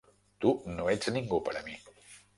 Tu no ets ningú per a mi.